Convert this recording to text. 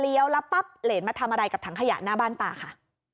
แล้วปั๊บเหรนมาทำอะไรกับถังขยะหน้าบ้านตาค่ะ